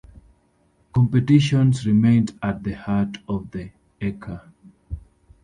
Competitions remain at the heart of the Ekka.